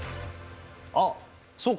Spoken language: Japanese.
あっそうか！